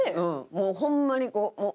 もうホンマにこう。